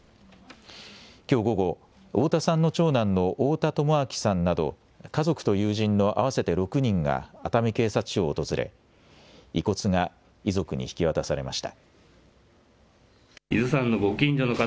きょう午後、太田さんの長男の太田朋晃さんなど家族と友人の合わせて６人が熱海警察署を訪れ遺骨が遺族に引き渡されました。